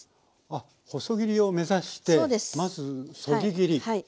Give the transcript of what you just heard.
あっ細切りを目指してまずそぎ切り。